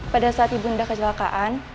pada saat ibu indah kecelakaan